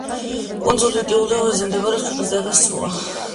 კუნძულ ვიტი-ლევუზე მდებარეობს ქვეყნის დედაქალაქი სუვა.